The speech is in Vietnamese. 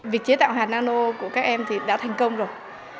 việc chế tạo hạt nano của các em thì đã thành công rồi